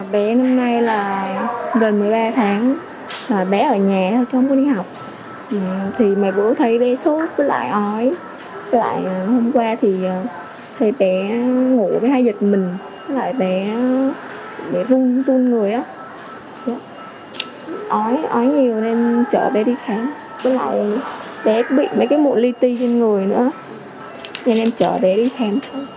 bé bị mụn ly ti trên người nữa nên em chở bé đi khám